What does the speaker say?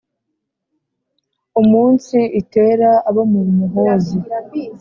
Umunsi itera abo mu Muhozi,